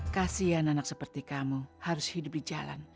kasian anak seperti kamu harus hidup di jalan